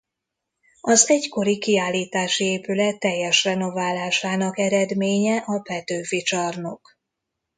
Az egykori kiállítási épület teljes renoválásának eredménye a Petőfi Csarnok.